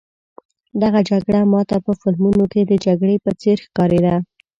دغه جګړه ما ته په فلمونو کې د جګړې په څېر ښکارېده.